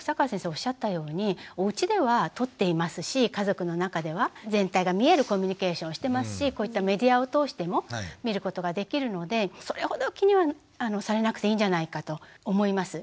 おっしゃったようにおうちでは取っていますし家族の中では全体が見えるコミュニケーションをしてますしこういったメディアを通しても見ることができるのでそれほど気にはされなくていいんじゃないかと思います。